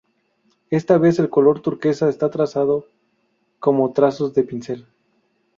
Esta vez el color turquesa está trazado como trazos de pincel.